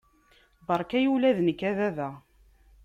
Barek-iyi, ula d nekk, a baba!